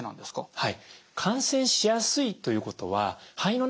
はい。